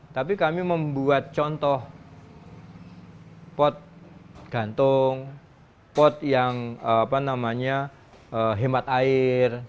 tapi kami membuat contoh pot gantung pot yang hemat air